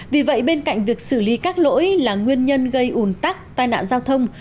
vì vậy bên cạnh việc xử lý các lỗi là nguyên nhân gây ủn tắc tai nạn giao thông